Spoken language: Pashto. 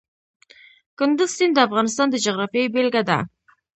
کندز سیند د افغانستان د جغرافیې بېلګه ده.